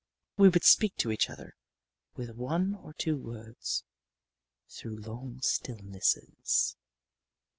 We would speak to each other with one or two words through long stillnesses.